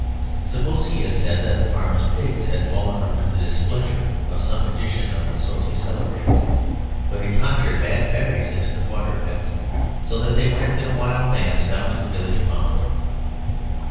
Suppose he had said that the farmer's pigs had fallen under the displeasure of some magician of the sort he celebrates, who had conjured bad fairies into the quadrupeds, so that they went in a wild dance down to the village pond.